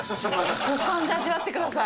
五感で味わってください。